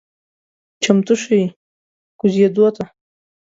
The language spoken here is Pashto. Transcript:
چمتو شئ کوزیدو ته…